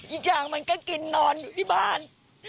อีกอย่างมันก็กินนอนอยู่ที่บ้าน